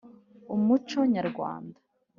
umuco nyarwanda